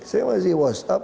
saya masih whatsapp